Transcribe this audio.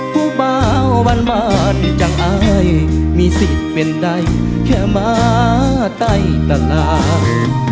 เบาหวานจังอายมีสิทธิ์เป็นใดแค่มาใต้ตลาด